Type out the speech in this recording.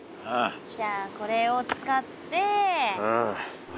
じゃあこれを使って。